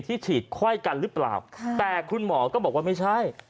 ฉีดไข้กันหรือเปล่าแต่คุณหมอก็บอกว่าไม่ใช่